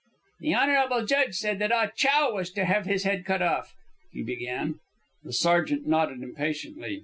"The honourable judge said that Ah Chow was to have his head cut off," he began. The sergeant nodded impatiently.